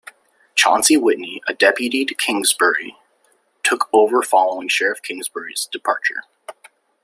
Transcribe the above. Chauncey Whitney, a deputy to Kingsbury, took over following Sheriff Kingsbury's departure.